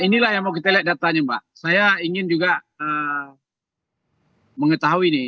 inilah yang mau kita lihat datanya mbak saya ingin juga mengetahui nih